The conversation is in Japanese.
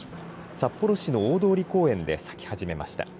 札幌市の大通公園で咲き始めました。